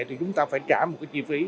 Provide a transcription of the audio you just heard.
thì chúng ta phải trả một cái chi phí